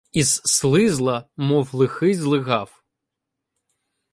Ізслизла, мов лихий злигав.